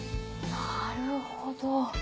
なるほど。